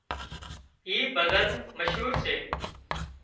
اين ڀزن مشهور سي